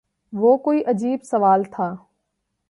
وہ کوئی عجیب سوال تھا